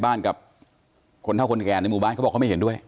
กับคนเท่าคนแก่ในหมู่บ้านเขาบอกเขาไม่เห็นด้วย